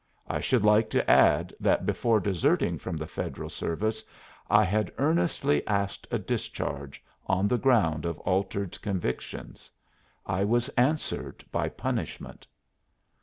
I should like to add that before deserting from the Federal service I had earnestly asked a discharge, on the ground of altered convictions. I was answered by punishment."